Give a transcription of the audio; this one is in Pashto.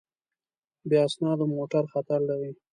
بې اسنادو موټر خطر لري.